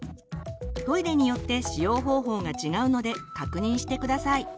トイレによって使用方法が違うので確認して下さい。